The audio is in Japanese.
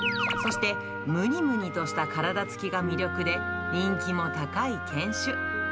そして、むにむにとした体つきが魅力で、人気も高い犬種。